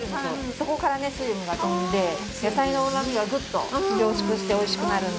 そこからね水分が飛んで野菜のうまみがグッと凝縮して美味しくなるんです。